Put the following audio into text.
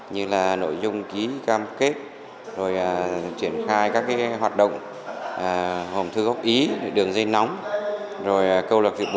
như là nội dung ký cam kết rồi triển khai các cái hoạt động hồng thư gốc ý đường dây nóng rồi câu lập việc bộ